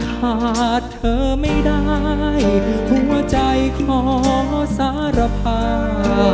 หากเธอไม่ได้หัวใจขอสารภา